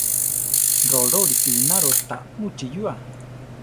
Rolórisi ináro ta muchí yua.